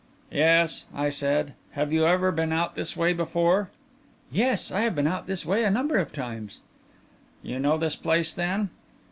"Yes," I said. "Have you ever been out this way before?" "Yes, I have been out this way a number of times." "You know this place, then?"